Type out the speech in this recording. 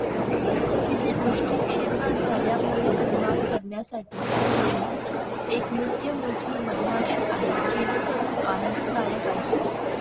तिचे दृष्टीक्षेपात झाल्यामुळे उन्माद करण्यासाठी हलवून, एक नृत्य मोठी मधमाशी आहे जेणेकरून आनंददायक आहे.